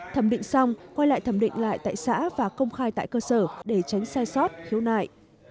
thẩm định xong quay lại thẩm định lại tại xã và công khai tại cơ sở để tránh sai sót khiếu nại